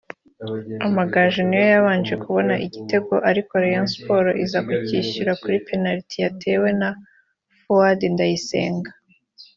Amagaju ni yo yabanje kubona igitego ariko Rayon Sport iza kucyishyura kuri penaliti yatewe na Fuadi Ndayisenga